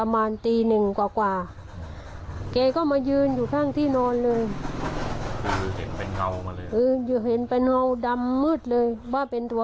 มันก็คิดได้ว่า